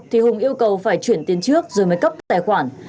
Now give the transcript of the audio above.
thì hùng yêu cầu phải chuyển tiền cho các đối tượng